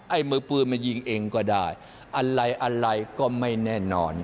ไอ้มือปืนมันยิงเองก็ได้อะไรก็ไม่แน่นอน